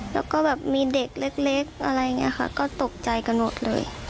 แล้วก็แบบมีเด็กเล็กอะไรอย่างนี้ค่ะก็ตกใจกันหมดเลย